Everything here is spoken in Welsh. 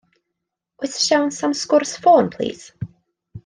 Oes siawns am sgwrs ffôn plîs?